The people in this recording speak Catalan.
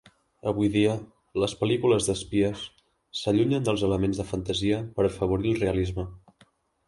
Avui dia, les pel·lícules d'espies s'allunyen dels elements de fantasia per afavorir el realisme.